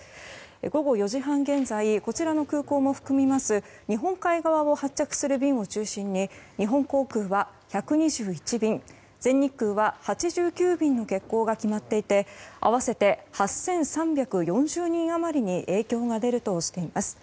午後４時半現在こちらの空港も含みます日本海側を発着する便を中心に日本航空は１２１便全日空は８９便の欠航が決まっていて合わせて８３４０人余りに影響が出るとしています。